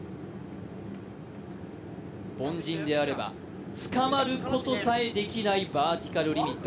凡人であれば、つかまることさえできないバーティカルリミット。